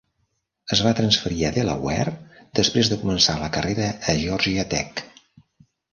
Es va transferir a Delaware després de començar la carrera a Georgia Tech.